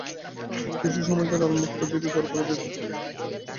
তিনি কিছু সময় ধরে আল-মুক্তাদিরের দরবারে দায়িত্ব পালন করছিলেন।